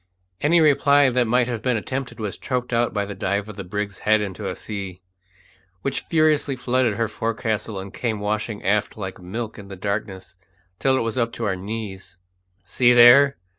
Any reply that might have been attempted was choked out by the dive of the brig's head into a sea, which furiously flooded her forecastle and came washing aft like milk in the darkness till it was up to our knees. "See there!"